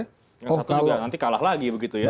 yang satu juga nanti kalah lagi begitu ya